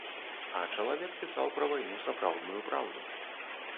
А чалавек пісаў пра вайну сапраўдную праўду.